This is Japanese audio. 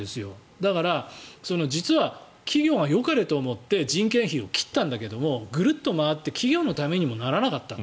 だから、実は企業がよかれと思って人件費を切ったんだけどぐるっと回って企業のためにもならなかったと。